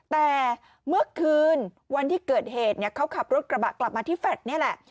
แต่เมื่อคืนวันที่เกิดเหตุเขาขับรถกระบะกลับมาที่แฟลต์นี่แหละ